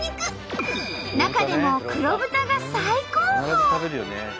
中でも黒豚が最高峰！